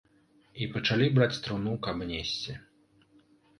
І пачалі браць труну, каб несці.